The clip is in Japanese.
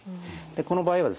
この場合はですね